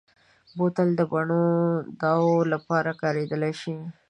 بوتل د بڼو دواوو لپاره کارېدلی شي.